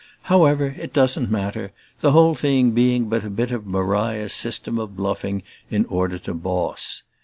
However, it doesn't matter; the whole thing being but a bit of Maria's system of bluffing in order to boss.